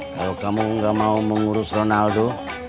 kalau kamu nggak mau mengurus ronaldo